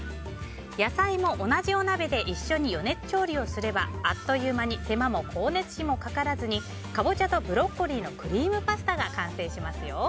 野菜も同じお鍋で一緒に余熱調理をすればあっという間に手間も光熱費もかからずにカボチャとブロッコリーのクリームパスタが完成しますよ。